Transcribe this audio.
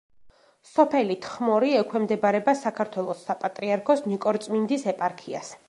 სოფელი თხმორი ექვემდებარება საქართველოს საპატრიარქოს ნიკორწმინდის ეპარქიას.